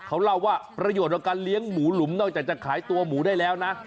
เขาเล่าว่าประโยชน์ของการเลี้ยงหมูหลุมนอกจากจะขายตัวหมูได้แล้วนะ